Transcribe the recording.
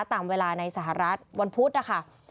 ตามเวลาในสหรัฐวันพุธนะคะ